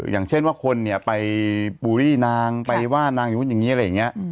อย่างเช่นว่าคนเนี่ยไปบูรี่นางไปว่านางอย่างนู้นอย่างนี้อะไรอย่างนี้